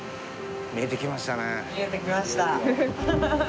見えてきましたね。